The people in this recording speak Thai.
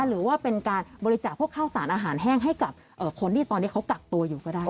หรือว่าเป็นการบริจาคพวกข้าวสารอาหารแห้งให้กับคนที่ตอนนี้เขากักตัวอยู่ก็ได้